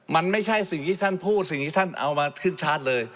มันไม่ใช่สิ่งที่ท่านพูดสิ่งที่ท่านเอามาขึ้นชาร์จเลย